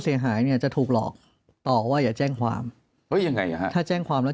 เสียหายเนี่ยจะถูกหลอกต่อว่าอย่าแจ้งความถ้าแจ้งความแล้ว